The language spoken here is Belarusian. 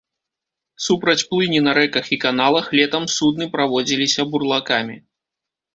Супраць плыні па рэках і каналах летам судны праводзіліся бурлакамі.